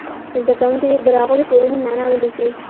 زده کوونکي دې د راغلو شعرونو معنا ولیکي.